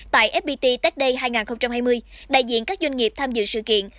tại fpt tech day hai nghìn hai mươi đại diện các doanh nghiệp tham dự sự kiện